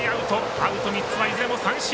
アウト３つはいずれも三振。